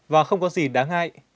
và không có gì đáng ngại